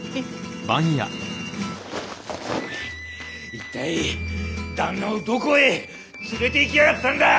一体旦那をどこへ連れていきやがったんだ！